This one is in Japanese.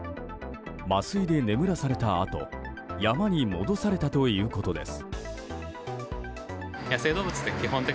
麻酔で眠らされたあと山に戻されたということです。